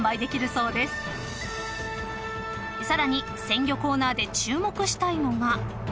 ［さらに鮮魚コーナーで注目したいのが］